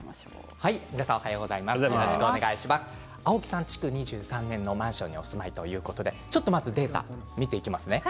青木さんは築２３年のマンションにお住まいということですがちょっとデータを見ていきますね。